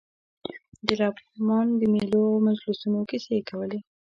د لغمان د مېلو او مجلسونو کیسې کولې.